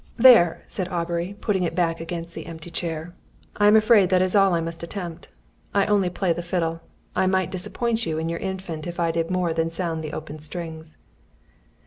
"There," said Aubrey, putting it back against the empty chair. "I am afraid that is all I must attempt. I only play the fiddle. I might disappoint you in your Infant if I did more than sound the open strings."